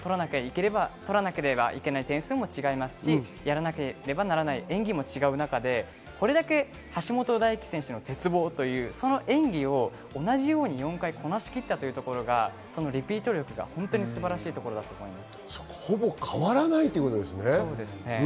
取らなければいけない点数も違いますし、やらなければならない演技も違う中で、これだけ橋本大輝選手の鉄棒という、その演技を同じように４回こなしきったところがリピート力が本当ほぼ変わらないということですね。